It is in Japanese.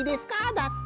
だって。